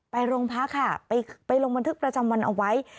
โรงพักค่ะไปลงบันทึกประจำวันเอาไว้